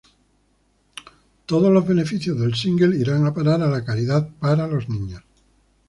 Todos los beneficios del single irán a parar a la caridad para los niños.